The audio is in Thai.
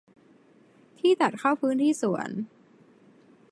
ที่ตัดเข้าพื้นที่สวน